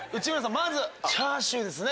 まずチャーシューですよね